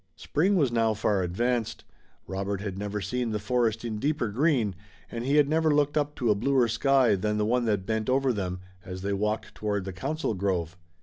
Spring was now far advanced. Robert had never seen the forest in deeper green and he had never looked up to a bluer sky than the one that bent over them, as they walked toward the council grove.